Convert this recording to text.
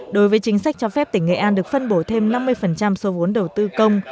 đối với chính sách cho phép tỉnh nghệ an được phân bổ thêm năm mươi số vốn đầu tư công